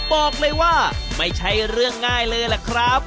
บอกเลยว่าไม่ใช่เรื่องง่ายเลยล่ะครับ